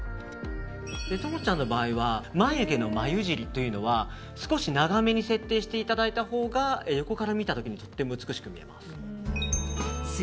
朋ちゃんの場合は眉毛の眉尻というのは少し長めに設定していただいたほうが横から見た時にとても美しく見えます。